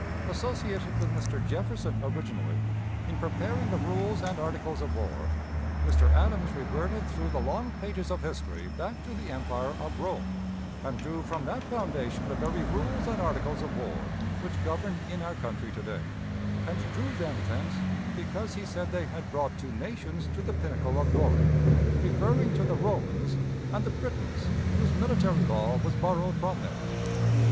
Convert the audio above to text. Associated with Mr. Jefferson originally, in preparing the rules and articles of war, Mr. Adams reverted through the long pages of history back to the empire of Rome, and drew from that foundation the very rules and articles of war which govern in our country to day, and drew them thence because he said they had brought two nations to the pinnacle of glory referring to the Romans and the Britons, whose military law was borrowed from them.